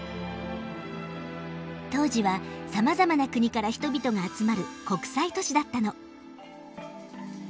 当時はさまざまな国から人々が集まる国際都市だったの。